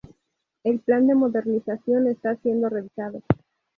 El Plan de Modernización está siendo revisado.